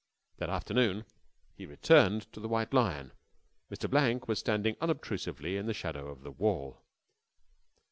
That afternoon he returned to the White Lion. Mr. Blank was standing unobtrusively in the shadow of the wall.